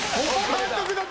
監督だった。